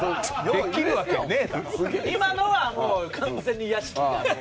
今のはもう完全に屋敷がもう。